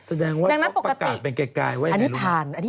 แสดงว่าเขาประกาศเป็นไกลว่ายังไงรู้